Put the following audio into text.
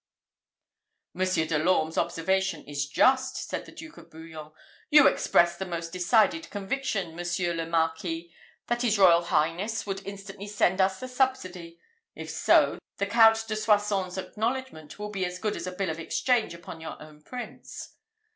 "Monsieur de l'Orme's observation is just," said the Duke of Bouillon. "You expressed the most decided conviction, Monsieur le Marquis, that his royal highness would instantly send us the subsidy; if so, the Count de Soissons' acknowledgment will be as good as a bill of exchange upon your own prince."